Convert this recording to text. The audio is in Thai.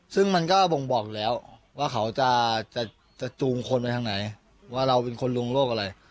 ซึ่งมันก็บ่งบอกอยู่แล้วว่าเขาจะจูงคนไปทางไหนว่าเราเป็นคนลวงโรคอะไร